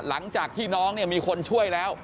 หลังจากที่น้องเนี่ยมีคนช่วยแล้ว